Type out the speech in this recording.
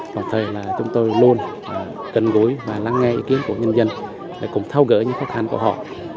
đồng thời là chúng tôi luôn cận gũi và lắng nghe ý kiến của nhân dân để cũng thao gỡ những khó khăn của họ